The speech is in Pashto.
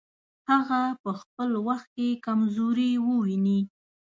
هغه په خپل وخت کې کمزوري وویني.